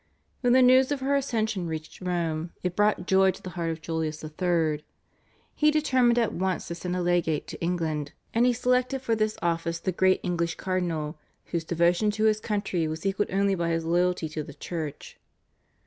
When the news of her accession reached Rome it brought joy to the heart of Julius III. He determined at once to send a legate to England, and he selected for this office the great English Cardinal, whose devotion to his country was equalled only by his loyalty to the Church.